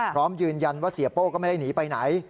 พร้อมยืนยันว่าเสียโป้ก็ไม่ได้หนีไปไหน